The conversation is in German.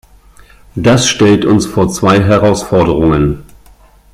Das stellt uns vor zwei Herausforderungen.